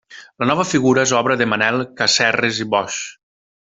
La nova figura és obra de Manel Casserres i Boix.